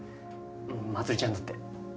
まつりちゃんだって。